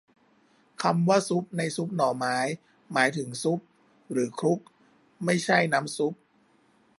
คำว่า ซุบ ในซุบหน่อไม้ หมายถึง ชุบ หรือ คลุก ไม่ใช่น้ำซุป